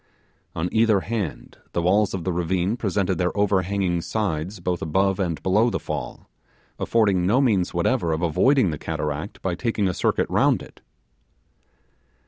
On each hand the walls of the ravine presented their overhanging sides both above and below the fall, affording no means whatever of avoiding the cataract by taking a circuit round it.